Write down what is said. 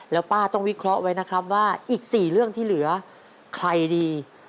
แล้วป้าต้องวิเคราะห์ไว้นะครับว่าอีก๔เรื่องที่เหลือใครดี